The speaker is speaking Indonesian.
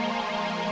aku terlalu berharga